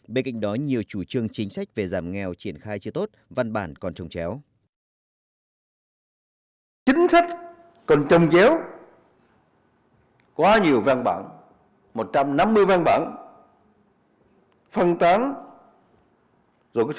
bên cạnh đó nhiều chủ trương chính sách về giảm nghèo triển khai chưa tốt văn bản còn trồng chéo